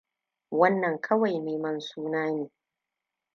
Wannan kawai neman suna ne.